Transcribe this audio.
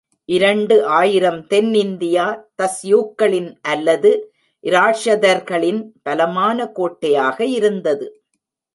இரண்டு ஆயிரம் தென் இந்தியா, தஸ்யூக்களின் அல்லது இராஷதர்களின் பலமான கோட்டையாக இருந்தது.